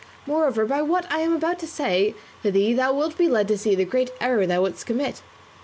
Moreover by what I am about to say to thee thou wilt be led to see the great error thou wouldst commit.